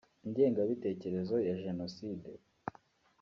ingengabitekerezo ya jenoside